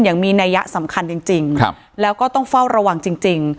อย่างมีนัยสำคัญจริงจริงครับแล้วก็ต้องเฝ้าระวังจริงจริง